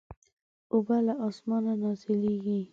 اوبه له اسمانه نازلېږي.